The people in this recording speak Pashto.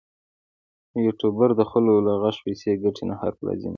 یوټوبر د خلکو له غږ پیسې ګټي نو حق لازم دی.